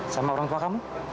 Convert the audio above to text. sama orang tua kamu